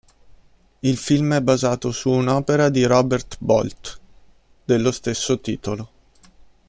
Il film è basato su un'opera di Robert Bolt dello stesso titolo.